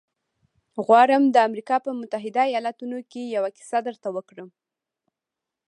غواړم د امریکا په متحدو ایالتونو کې یوه کیسه درته وکړم